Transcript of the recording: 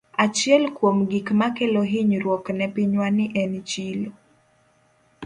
Achiel kuom gik makelo hinyruok ne pinywa ni en chilo.